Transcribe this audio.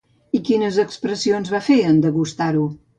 I quines expressions va fer en degustar-ho?